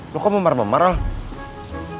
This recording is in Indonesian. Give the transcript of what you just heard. lo kok memar memar alv